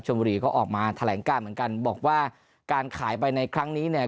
บุรีก็ออกมาแถลงการเหมือนกันบอกว่าการขายไปในครั้งนี้เนี่ย